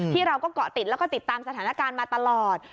เราก็เกาะติดแล้วก็ติดตามสถานการณ์มาตลอด